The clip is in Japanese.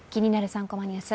３コマニュース」